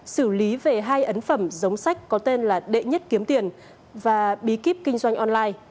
xử lý về hai ấn phẩm giống sách có tên là đệ nhất kiếm tiền và bí kíp kinh doanh online